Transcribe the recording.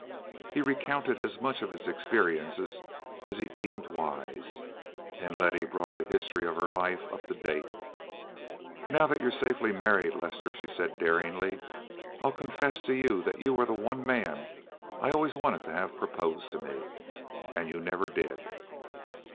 He recounted as much of his experiences as he deemed wise, and Letty brought the history of her life up to date. "Now that you're safely married, Lester," she said daringly, "I'll confess to you that you were the one man I always wanted to have propose to me—and you never did."